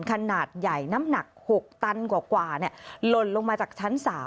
ขนาดใหญ่น้ำหนัก๖ตันกว่าหล่นลงมาจากชั้น๓